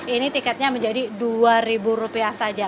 ini tiketnya menjadi rp dua saja